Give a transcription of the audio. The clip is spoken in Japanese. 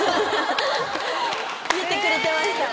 ⁉言ってくれてました。